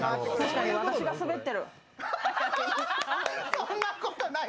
そんなことない。